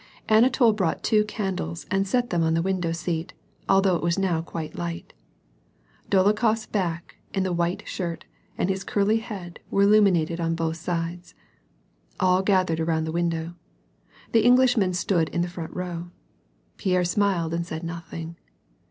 Anatol brought two candles and set them on the window seat, although it was now quite light. Dolokhof 's back, in the white . shirt, and his curly head were illuminated on botli sides. All gathered around the window. The Englishman stood in the front row. Pierre smiled and said nothing.